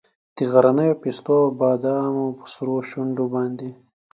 د غرنیو پیستو او د بادامو په سرو شونډو باندې